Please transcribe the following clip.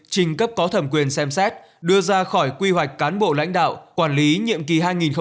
trình cấp có thẩm quyền xem xét đưa ra khỏi quy hoạch cán bộ lãnh đạo quản lý nhiệm kỳ hai nghìn hai mươi một hai nghìn hai mươi năm